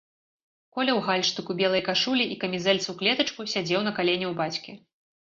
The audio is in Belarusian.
Коля ў гальштуку, белай кашулі і камізэльцы ў клетачку сядзеў на калене ў бацькі.